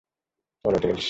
চলো, টেলস।